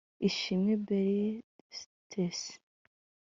Ishimwe Belly Stecy